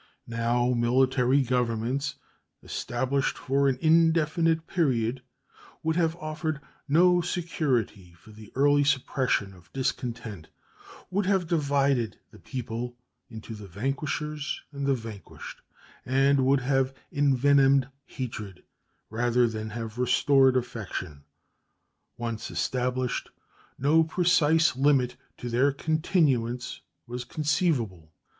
Now military governments, established for an indefinite period, would have offered no security for the early suppression of discontent, would have divided the people into the vanquishers and the vanquished, and would have envenomed hatred rather than have restored affection. Once established, no precise limit to their continuance was conceivable.